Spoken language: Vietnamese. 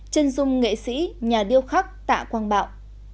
chân dung nghệ sĩ nhà điêu khắc tạ quang bảo